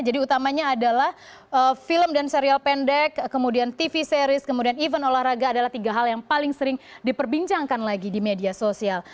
jadi utamanya adalah film dan serial pendek kemudian tv series kemudian event olahraga adalah tiga hal yang paling sering diperbincangkan lagi di media sosial